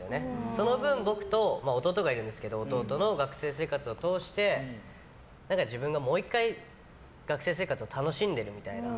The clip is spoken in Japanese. その分、僕と弟がいるんですけど弟の学生生活を通して自分がもう１回学生生活を楽しんでるみたいな。